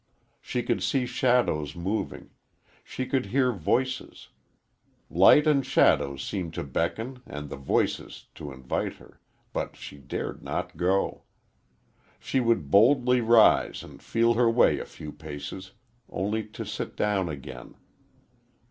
She could see shadows moving; she could hear voices. Light and shadow seemed to beckon and the voices to invite her, but she dared not go. She would boldly rise and feel her way a few paces, only to sit down again.